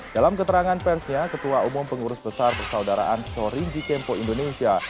dalam keterangan persnya ketua umum pengurus besar persaudaraan shorinci kempo indonesia